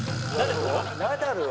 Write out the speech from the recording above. ナダルは。